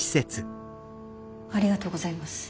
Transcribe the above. ありがとうございます。